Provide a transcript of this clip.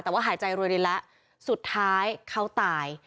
แต่ว่าหายใจรวยรินแล้วสุดท้ายเขาตาย